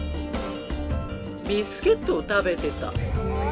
ビスケットを食べてた。